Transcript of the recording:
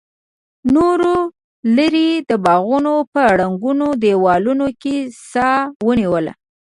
نورو لرې د باغونو په ړنګو دیوالونو کې سا ونیوله.